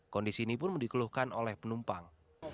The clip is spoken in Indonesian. kondisi ini pun dikeluhkan oleh penumpang